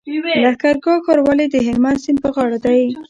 لښکرګاه ښار ولې د هلمند سیند په غاړه دی؟